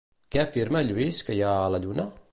Què afirma Lluís que hi ha a la lluna?